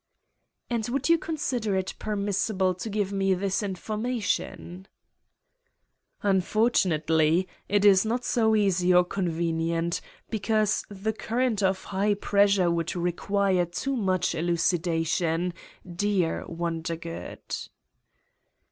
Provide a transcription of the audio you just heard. " "And would you consider it permissible to give me this information 1" "Unfortunately it is not so easy or convenient because the current of high pressure would re quire too much elucidation, dear Wondergood."